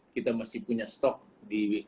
kita masih punya stok di